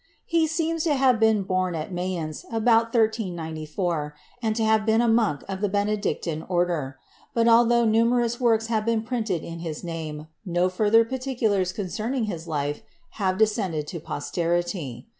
He seems to have been born at May ence about 1394 and to have been a monk of the Bene dictine order ; but, altho numerous works have been printed in his name, no further particulars concerning his life have descended to posterity.